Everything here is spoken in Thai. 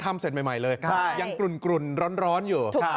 มันยังกรุนร้อนอยู่